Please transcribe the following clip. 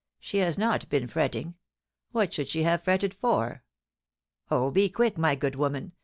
She has not been fretting. What should she have fretted for ? Oh 1 be quick, my good woman.